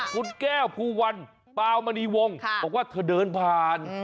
คุณแก้วภูวันปาวมณีวงบอกว่าเธอเดินผ่าน